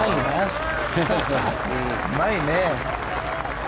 うまいね。